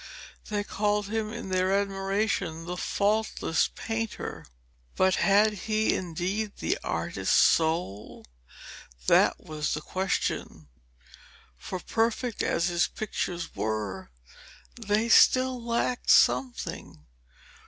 They called him in their admiration 'the faultless painter.' But had he, indeed, the artist soul? That was the question. For, perfect as his pictures were, they still lacked something.